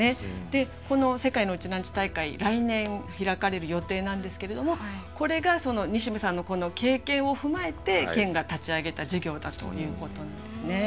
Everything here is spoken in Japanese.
でこの世界のウチナーンチュ大会来年開かれる予定なんですけれどもこれが西銘さんのこの経験を踏まえて県が立ち上げた事業だということなんですね。